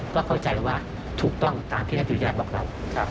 ก็เข้าใจว่าถูกต้องตามที่ท่านดูแลบอกเรา